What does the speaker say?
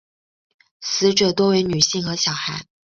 死者多为女性和小孩。